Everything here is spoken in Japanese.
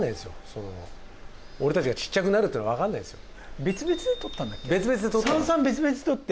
その俺たちがちっちゃくなるっていうのは分かんないですよ